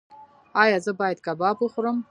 ایا زه باید کباب وخورم؟